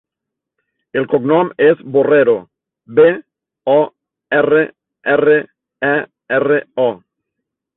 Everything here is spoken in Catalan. El cognom és Borrero: be, o, erra, erra, e, erra, o.